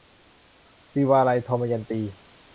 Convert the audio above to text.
ศิวาลัย - ทมยันตี